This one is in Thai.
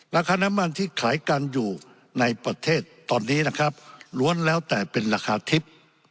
ราคาน้ำมันที่ขายกันอยู่ในประเทศตอนนี้นะครับล้วนแล้วแต่เป็นราคาทิพย์